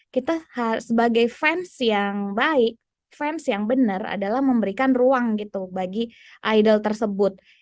kita sebagai fans yang baik fans yang benar adalah memberikan ruang gitu bagi idol tersebut